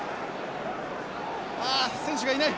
ああ選手がいない。